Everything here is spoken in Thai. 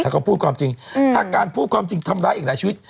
ถ้าเขาพูดความจริงถ้าการพูดความจริงทำร้ายอีกหลายชีวิต